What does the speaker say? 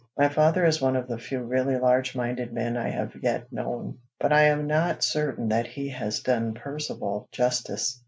My father is one of the few really large minded men I have yet known; but I am not certain that he has done Percivale justice.